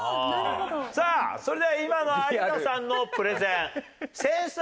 さあそれでは今の有田さんのプレゼンセンス